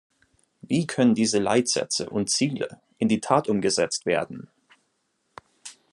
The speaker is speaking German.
Wie können diese Leitsätze und Ziele in die Tat umgesetzt werden?